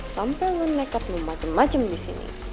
sampai lo nekat lo macem macem di sini